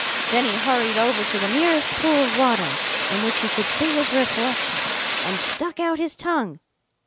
Then he hurried over to the nearest pool of water in which he could see his reflection and stuck out his tongue.